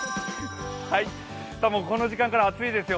この時間から暑いですよ。